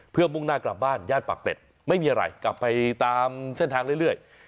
เพื่อมุ่งหน้ากลับบ้านย่านปากเกร็ดไม่มีอะไรกลับไปตามเส้นทางเรื่อย